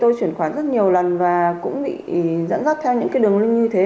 tôi chuyển khoản rất nhiều lần và cũng bị dẫn dắt theo những cái đường link như thế